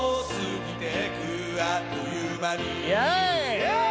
イエーイ！